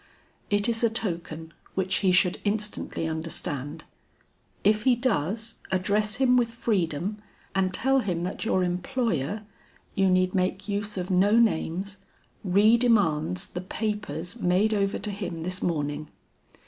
It is a token which he should instantly understand. If he does, address him with freedom and tell him that your employer you need make use of no names re demands the papers made over to him this morning.